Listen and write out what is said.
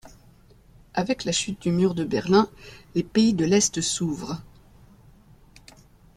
Avec la chute du Mur de Berlin, les pays de l’Est s’ouvrent.